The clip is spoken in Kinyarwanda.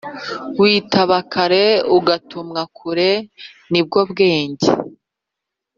Witaba kare ugatumwa kure nibwo bwenge